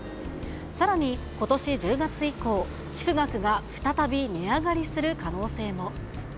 さらに、ことし１０月以降、寄付額が再び値上がりする可能性も。